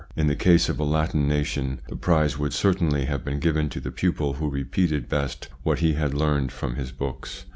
In the case of a Latin nation, the prize would certainly have been given to the pupil who repeated best what he had learned from his books.